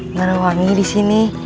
meng nbc queerenu di sini